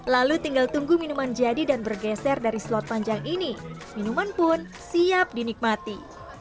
lalu tinggal tunggu minuman jadi dan bergeser dari slot panjang ini minuman pun siap dinikmati